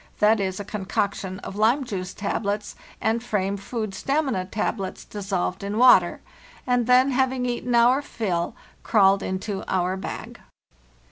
2, a concoction of lime juice tablets and Frame Food stamina tablets dissolved in water), and then, having eaten our fill, crawled into our bag."